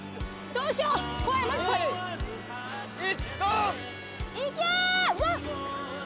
どうしよう。